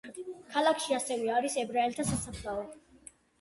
ქალაქში ასევე არის ებრაელთა სასაფლაო.